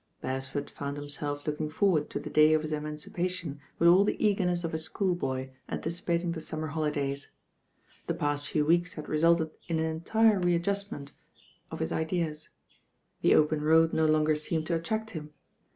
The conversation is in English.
Beresford found himself lookii> forward to the day of his emancipation with aU the eagerness of a schoolboy anticipating the summer holidays. The past few weeks had resulted in an entire readjust THE CALL OP THE RAIN^niL ^ ment of hit ideas. The open road no longer teemed to attract him.